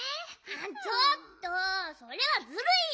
ちょっとそれはずるいよ！